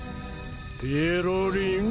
ペロリン。